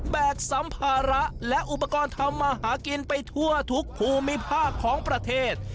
สัมภาระและอุปกรณ์ทำมาหากินไปทั่วทุกภูมิภาคของประเทศ